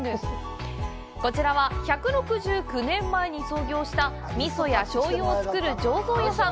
こちらは、１６９年前に創業した味噌や醤油を作る醸造屋さん。